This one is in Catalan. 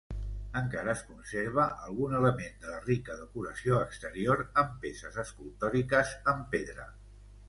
Encara es conserva algun element de la rica decoració exterior, amb peces escultòriques en pedra.